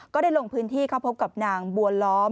ก็ได้ลงพื้นที่เข้าพบกับนางบัวล้อม